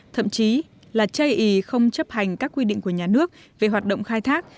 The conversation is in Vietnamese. thậm chí là chế y không chấp hành các quy định của nhà nước về hoạt động khai thác